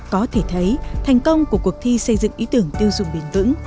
có thể thấy thành công của cuộc thi xây dựng ý tưởng tiêu dùng bền vững